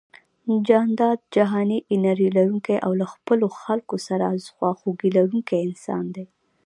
جانداد جهاني انرژي لرونکی او له خپلو خلکو سره خواخوږي لرونکی انسان دی